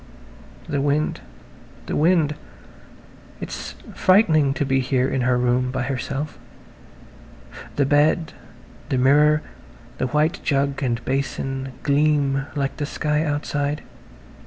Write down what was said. The wind, the wind. It's frightening to be here in her room by herself. The bed, the mirror, the white jug and basin gleam like the sky outside.